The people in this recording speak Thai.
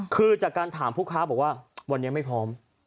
คือจากการถามผู้ค้าบอกว่าวันนี้ไม่พร้อม